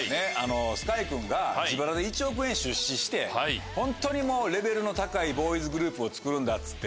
ＳＫＹ君が自腹で１億円出資してホントにレベルの高いボーイズグループをつくるんだっつって。